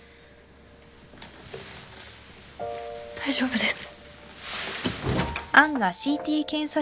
大丈夫です。